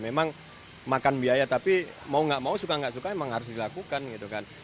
memang makan biaya tapi mau gak mau suka nggak suka emang harus dilakukan gitu kan